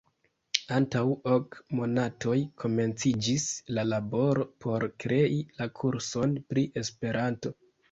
Antaŭ ok monatoj komenciĝis la laboro por krei la kurson pri Esperanto.